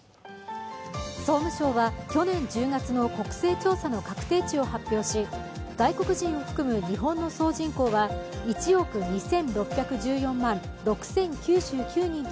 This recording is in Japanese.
総務省は去年１０月の国勢調査の確定値を発表し、外国人を含む日本の総人口は１億２６１４万６０９９人と